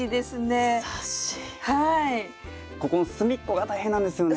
ここの隅っこが大変なんですよね。